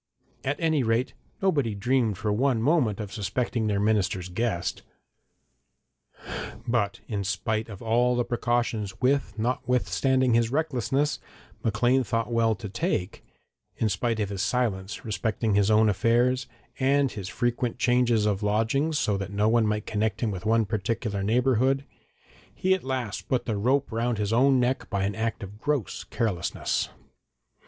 At any rate, nobody dreamed for one moment of suspecting their minister's guest. But in spite of all the precautions which, notwithstanding his recklessness, Maclean thought well to take in spite of his silence respecting his own affairs, and his frequent changes of lodgings so that no one might connect him with one particular neighbourhood, he at last put the rope round his own neck by an act of gross carelessness.